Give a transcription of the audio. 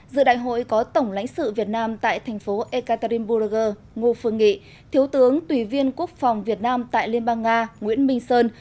giữa đại hội có tổng lãnh sự việt nam tại thành phố ekaterinburger ngô phương nghị thiếu tướng tùy viên quốc phòng việt nam tại liên bang nga nguyễn minh sơn